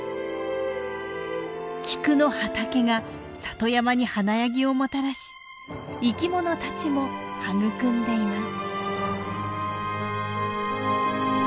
菊の畑が里山に華やぎをもたらし生きものたちも育んでいます。